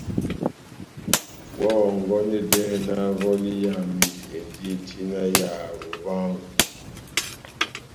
Oháhɔngɔnedɛhɛ vɔli yami endi tina ya bobaángo.